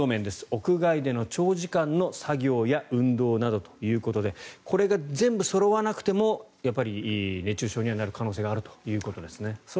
屋外での長時間の作業や運動などということでこれが全部そろわなくてもやっぱり熱中症にはなる可能性があるということですね。